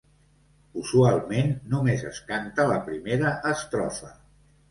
Usualment només es canta la primera estrofa.